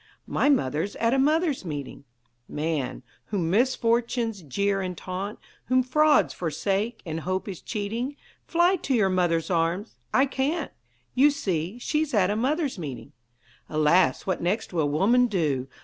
"My mother's at a Mothers' Meeting." "Man, whom misfortunes jeer and taunt, Whom frauds forsake, and hope is cheating, Fly to your mother's arms." "I can't You see, she's at a Mothers' Meeting." Alas, what next will woman do?